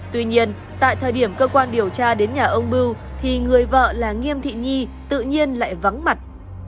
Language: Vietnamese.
tuy nhiên tại thời điểm cơ quan điều tra đến nhà ông bưu thì người vợ là nghiêm thị nhi tự nhiên lại vắng mặt